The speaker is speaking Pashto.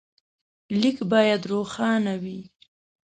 لیک باید روښانه وي.